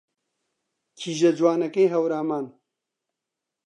کیژە جوانەکەی هەورامان